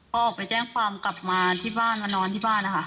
พอออกไปแจ้งความกลับมาที่บ้านมานอนที่บ้านนะคะ